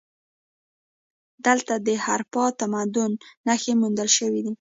دلته د هراپا تمدن نښې موندل شوي دي